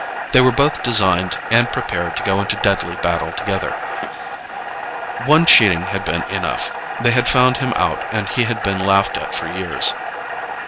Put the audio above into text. They were both designed and prepared to go into deadly battle together. One cheating had been enough. They had found him out and he had been laughed at for years.